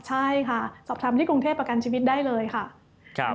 ใช่ค่ะสอบถามที่กรุงเทพประกันชีวิตได้เลยค่ะ